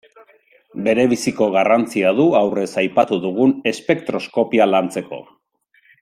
Berebiziko garrantzia du aurrez aipatu dugun espektroskopia lantzeko.